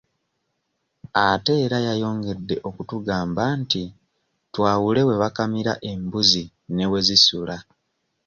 Ate era yayongedde okutugamba nti twawule we bakamira embuzi ne we zisula.